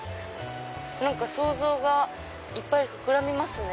想像がいっぱい膨らみますね。